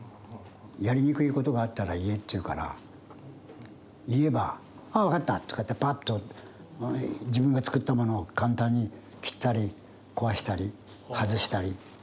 やりにくいことがあったら言えって言うから言えば「ああ分かった」とか言ってパッと自分がつくったものを簡単に切ったり壊したり外したり。